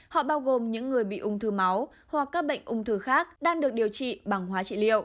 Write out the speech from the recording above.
họ bao gồm những người bị ung thư máu hoặc các bệnh ung thư khác đang được điều trị bằng hóa trị liệu